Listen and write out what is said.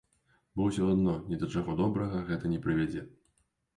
Бо ўсё адно ні да чаго добрага гэта не прывядзе.